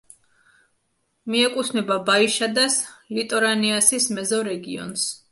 მიეკუთვნება ბაიშადას-ლიტორანეასის მეზორეგიონს.